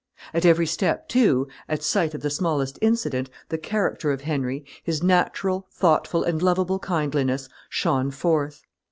At every step, too, at sight of the smallest incident, the character of Henry, his natural thoughtful and lovable kindliness, shone forth.